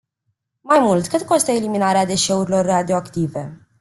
Mai mult, cât costă eliminarea deșeurilor radioactive?